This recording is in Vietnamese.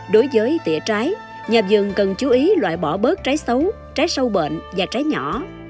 đối với tỉa trái nhà vườn cần chú ý loại bỏ bớt trái xấu trái sâu bệnh và trái nhỏ